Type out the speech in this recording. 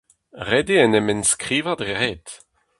Ret eo en em enskrivañ dre ret.